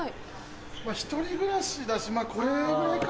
１人暮らしだしまぁこれぐらいか。